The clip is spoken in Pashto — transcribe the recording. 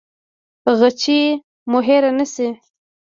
غیچي مو هیره نه شي